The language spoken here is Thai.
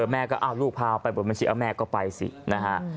แม่ก็เอาลูกพาไปบนบัญชีเอาแม่ก็ไปสินะฮะ